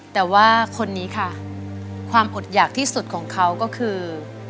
แต่ว่าคนนี้ค่ะความอดหยากที่สุดของเขาก็คือ